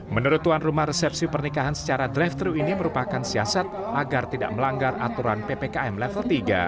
menurut tuan rumah resepsi pernikahan secara drive thru ini merupakan siasat agar tidak melanggar aturan ppkm level tiga